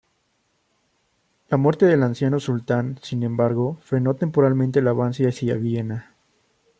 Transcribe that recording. La muerte del anciano sultán, sin embargo, frenó temporalmente el avance hacia Viena.